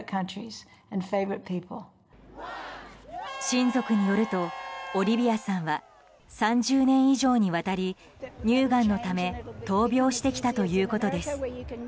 親族によるとオリビアさんは３０年以上にわたり乳がんのため闘病してきたということです。